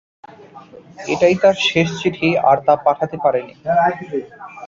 এটাই তার শেষ চিঠি আর তা পাঠাতে পারেনি।